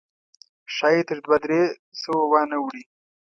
ښایي تر دوه درې سوه وانه وړي.